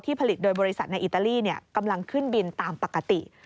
ผลิตโดยบริษัทในอิตาลีกำลังขึ้นบินตามปกติ